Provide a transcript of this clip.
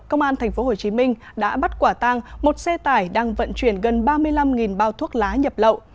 công an tp hcm đã bắt quả tang một xe tải đang vận chuyển gần ba mươi năm bao thuốc lá nhập lậu